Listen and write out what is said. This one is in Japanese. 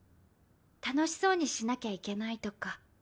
楽しそうにしなきゃいけないとか。